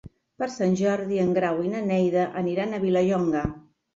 Per Sant Jordi en Grau i na Neida aniran a Vilallonga.